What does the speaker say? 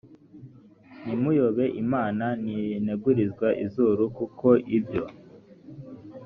ntimuyobe imana ntinegurizwa izuru kuko ibyo